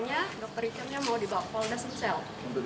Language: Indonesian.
untuk dicek kesehatan